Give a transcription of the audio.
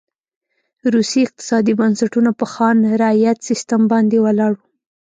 روسي اقتصادي بنسټونه په خان رعیت سیستم باندې ولاړ و.